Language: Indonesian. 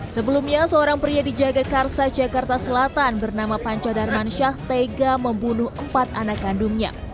sebelumnya seorang pria di jagakarsa jakarta selatan bernama panco darmansyah tega membunuh empat anak kandungnya